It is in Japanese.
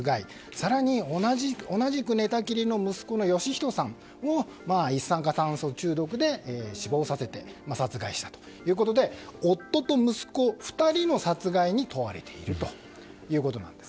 更に同じく寝たきりの息子の芳人さんを一酸化炭素中毒で死亡させて殺害したということで夫と息子２人の殺害に問われているということです。